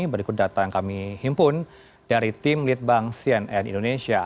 berikut data yang kami himpun dari tim litbang cnn indonesia